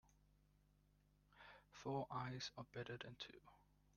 Four eyes are better than two.